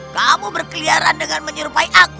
kamu berkeliaran dengan menyerupai aku